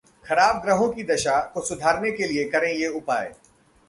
खराब ग्रहों की दशा को सुधारने के लिए करें ये उपाय